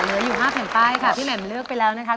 เหลืออยู่๕แผ่นป้ายค่ะพี่แหม่มเลือกไปแล้วนะคะ